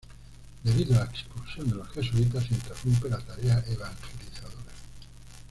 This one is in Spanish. Debido a la expulsión de los jesuitas se interrumpe la tarea evangelizadora.